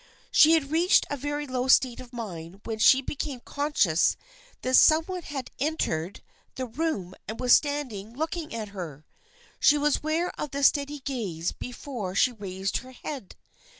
She had reached a very low state of mind when she became conscious that some one had entered 304 THE FRIENDSHIP OF ANNE the room and was standing looking at her. She was aware of the steady gaze before she raised her head.